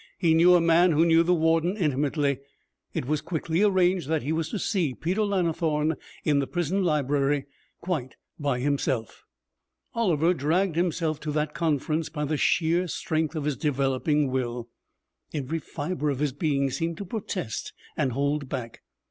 He knew a man who knew the warden intimately. It was quickly arranged that he was to see Peter Lannithorne in the prison library, quite by himself. Oliver dragged himself to that conference by the sheer strength of his developing will. Every fibre of his being seemed to protest and hold back.